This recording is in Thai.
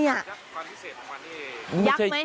ยักษ์ไหม